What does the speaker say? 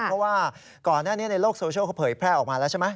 เพราะว่าก่อนหน้านี้ในโลกโซเชียลเขาเผยแพร่ออกมาแล้วใช่ไหม